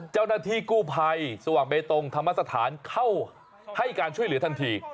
เจ้าหน้าที่กู้ภัยสว่างเบตงธรรมสถานเข้าให้การช่วยเหลือทันที